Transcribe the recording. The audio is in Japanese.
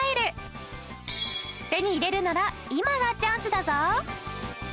手に入れるなら今がチャンスだぞ！